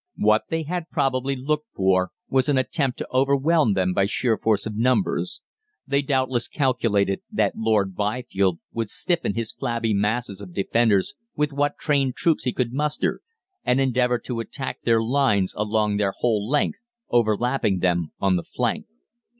"What they had probably looked for was an attempt to overwhelm them by sheer force of numbers. They doubtless calculated that Lord Byfield would stiffen his flabby masses of 'Defenders' with what trained troops he could muster, and endeavour to attack their lines along their whole length, overlapping them on the flank.